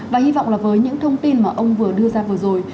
và hy vọng là với những thông tin mà ông vừa đưa ra vừa rồi